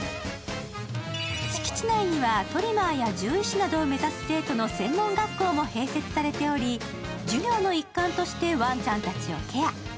敷地内にはトリマーや獣医師を目指す生徒の専門学校も併設されており、授業の一環としてワンちゃんたちをケア。